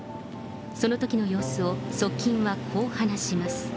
そのときの様子を側近はこう話します。